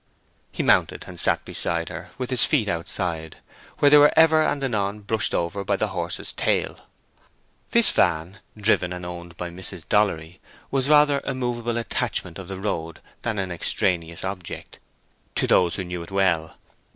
He mounted and sat beside her, with his feet outside, where they were ever and anon brushed over by the horse's tail. This van, driven and owned by Mrs. Dollery, was rather a movable attachment of the roadway than an extraneous object, to those who knew it well.